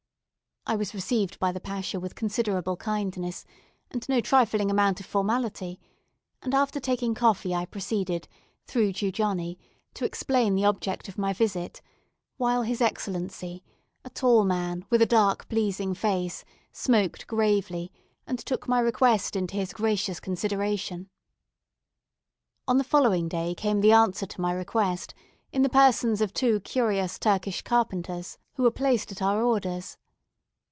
I was received by the Pacha with considerable kindness and no trifling amount of formality, and after taking coffee I proceeded, through Jew Johnny, to explain the object of my visit, while his Excellency, a tall man, with a dark pleasing face, smoked gravely, and took my request into his gracious consideration. On the following day came the answer to my request, in the persons of two curious Turkish carpenters, who were placed at our orders.